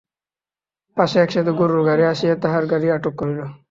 পথে একসার গোরুর গাড়ি আসিয়া তাহার গাড়ি আটক করিল।